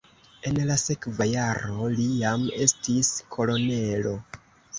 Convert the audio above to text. En la sekva jaro li jam estis kolonelo.